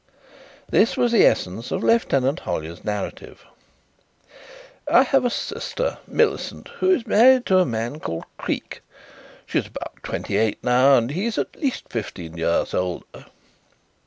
This was the essence of Lieutenant Hollyer's narrative: "I have a sister, Millicent, who is married to a man called Creake. She is about twenty eight now and he is at least fifteen years older.